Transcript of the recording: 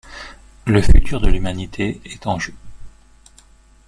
Le futur de l'humanité est en jeu.